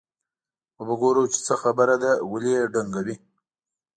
وبه ګورو چې څه خبره ده ولې یې ډنګوي.